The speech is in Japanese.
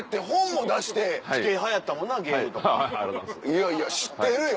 いやいや知ってるよ